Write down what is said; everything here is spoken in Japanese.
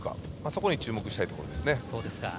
そこに注目したいところですね。